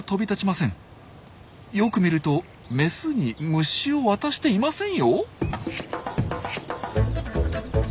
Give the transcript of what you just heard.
よく見るとメスに虫を渡していませんよ！